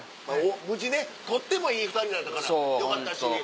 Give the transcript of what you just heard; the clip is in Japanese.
無事ねとってもいい２人だったからよかったし。